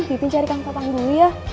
bikin cari kang tatang dulu ya